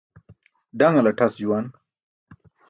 Ḍaṅltʰas juwan